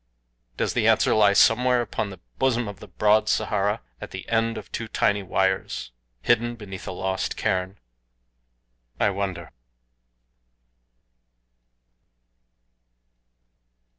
Does the answer lie somewhere upon the bosom of the broad Sahara, at the end of two tiny wires, hidden beneath a lost cairn? I wonder.